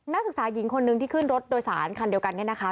นักศึกษาหญิงคนนึงที่ขึ้นรถโดยสารคันเดียวกันเนี่ยนะคะ